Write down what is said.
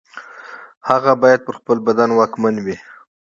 هغه باید پر خپل بدن واکمن وي.